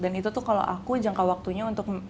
dan itu tuh kalau aku jangka waktunya untuk